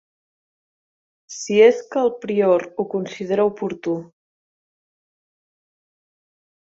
Si és que el prior ho considera oportú.